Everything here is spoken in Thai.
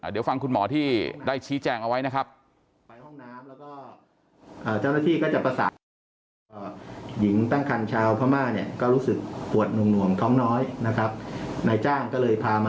เดี๋ยวฟังคุณหมอที่ได้ชี้แจงเอาไว้นะครับ